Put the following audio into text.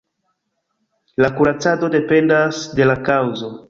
La kuracado dependas de la kaŭzo.